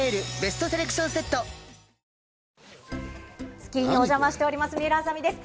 『スッキリ』にお邪魔しております、水卜麻美です。